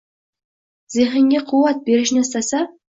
zehnga quvvat berishni istasa